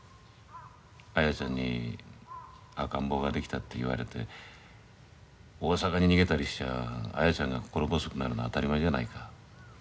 綾ちゃんに赤ん坊ができたって言われて大阪に逃げたりしちゃ綾ちゃんが心細くなるのは当たり前じゃないか。